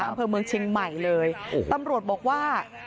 อำเภอเมืองเชียงใหม่เลยโอ้โหตำรวจบอกว่า